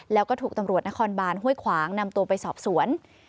แล้วก็ถูกตำรวจนครบานห้วยขวางนำตัวไปสอบสวน